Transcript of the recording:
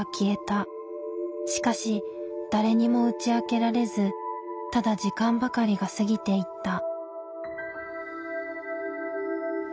しかし誰にも打ち明けられずただ時間ばかりが過ぎていった。